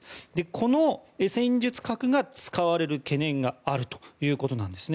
この戦術核が使われる懸念があるということなんです。